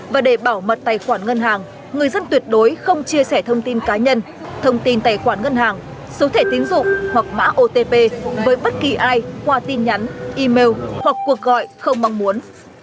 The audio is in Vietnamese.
và để bảo mật tài khoản ngân hàng người dân tuyệt đối không chia sẻ thông tin cá nhân thông tin tài khoản ngân hàng số thể tín dụng hoặc mã otp với bất kỳ ai qua tin nhắn email hoặc cuộc gọi không mong muốn